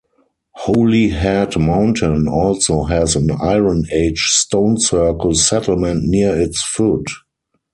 Holyhead Mountain also has an Iron Age stone circle settlement near its foot.